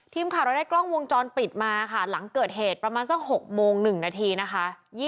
ทีมข่าวเราได้กล้องวงจรปิดมาค่ะหลังเกิดเหตุประมาณสัก๖โมง๑นาทีนะคะ